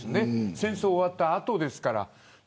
戦争終わった後ですから。